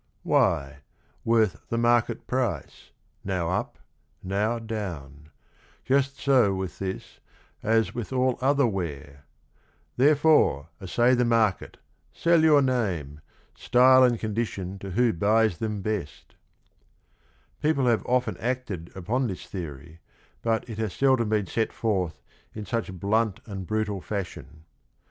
Why, worth the market price, — now up, now down, Just so with this as with all other ware : Therefore essay the market, sell your name, Style and condition to who buys them best I " People have often acted upon this theory, but it has seldom been set forth in such blunt and brutal fashion.